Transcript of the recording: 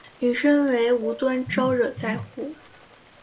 引申为无端招惹灾祸。